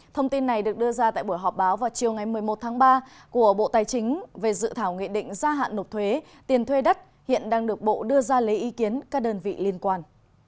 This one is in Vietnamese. thông tin này được đưa ra tại buổi họp báo vào chiều ngày một mươi một tháng ba của bộ tài chính về dự thảo nghị định gia hạn nộp thuế tiền thuê đất hiện đang được bộ đưa ra lấy ý kiến các đơn vị liên quan